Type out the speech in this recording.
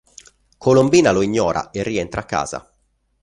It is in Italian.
Colombina lo ignora e rientra a casa.